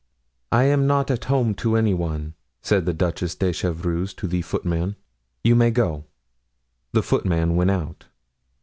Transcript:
"I am not at home to any one," said the Duchess de Chevreuse to the footman. "You may go." The footman went out.